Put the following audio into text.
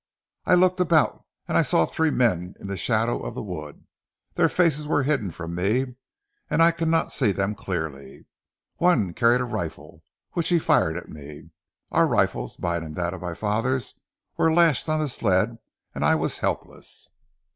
I looked about and I saw three men in the shadow of the wood. Their faces were hidden from me, and I could not see them clearly. One carried a rifle which he fired at me. Our rifles, mine and that of my father, were lashed on the sled and I was helpless."